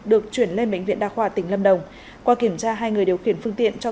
được chuyển lên bệnh viện đa khoa tỉnh lâm đồng qua kiểm tra hai người điều khiển phương tiện cho